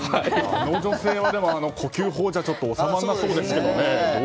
この女性は呼吸法じゃ収まらなさそうですけどね。